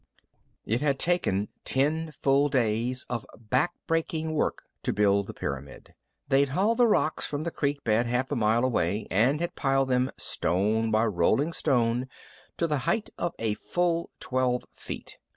VIII It had taken ten full days of back breaking work to build the pyramid. They'd hauled the rocks from the creek bed half a mile away and had piled them, stone by rolling stone, to the height of a full twelve feet.